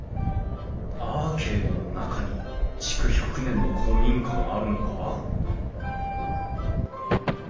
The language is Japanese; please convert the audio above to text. アーケードの中に築１００年の古民家があるのか？